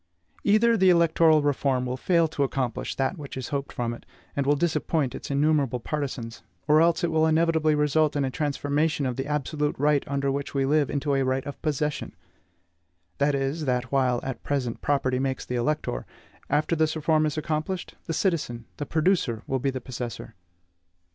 Either the electoral reform will fail to accomplish that which is hoped from it, and will disappoint its innumerable partisans, or else it will inevitably result in a transformation of the absolute right under which we live into a right of possession; that is, that while, at present, property makes the elector, after this reform is accomplished, the citizen, the producer will be the possessor.